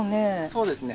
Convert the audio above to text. そうですね。